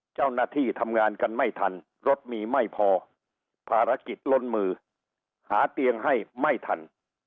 เจ้าหน้าที่ทำงานกันไม่ทันรถมีไม่พอภารกิจล้นมือหาเตียงให้ไม่ทัน